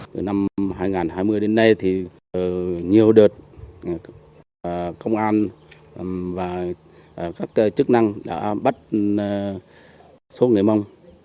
từ năm hai nghìn hai mươi đến nay thì nhiều đợt công an và các chức năng đã bắt số người mông